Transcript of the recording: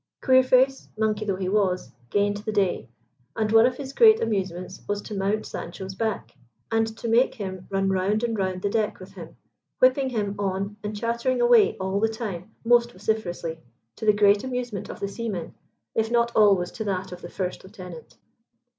Queerface, monkey though he was, gained the day; and one of his great amusements was to mount Sancho's back, and to make him run round and round the deck with him, whipping him on and chattering away all the time most vociferously, to the great amusement of the seamen, if not always to that of the first lieutenant.